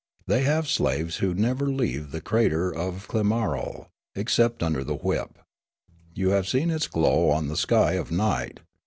They have slaves who never leave the crater of Klimarol except under the whip. You have seen its glow on the sky of night.